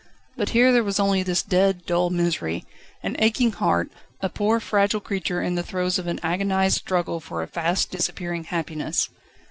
But here there was only this dead, dull misery, an aching heart, a poor, fragile creature in the throes of an agonised struggle for a fast disappearing happiness.